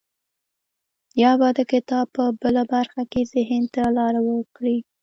يا به د کتاب په بله برخه کې ذهن ته لاره وکړي.